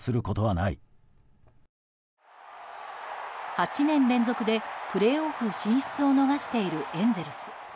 ８年連続でプレーオフ進出を逃しているエンゼルス。